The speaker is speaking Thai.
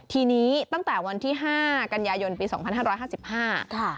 ทีนี้ตั้งแต่วันที่ห้ากันยายนปีสองพันห้าร้อยห้าสิบห้าค่ะ